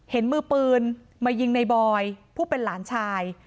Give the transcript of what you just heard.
เห็นมือปืนมายิงในบอยผู้เป็นหลานชาย